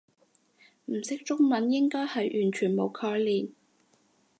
唔識中文應該係完全冇概念